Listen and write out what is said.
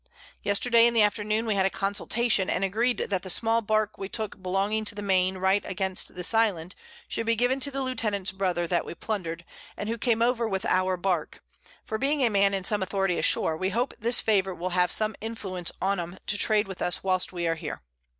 Yesterday in the Afternoon we had a Consultation, and agreed that the small Bark we took belonging to the Main right against this Island, should be given the Lieutenant's Brother that we plunder'd, and who came over with our Bark; for being a Man in some Authority ashore, we hope this Favour will have some Influence on 'em to trade with us whilst we are here.